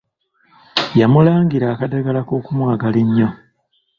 Yamulungira akadagala ak'okumwagala ennyo.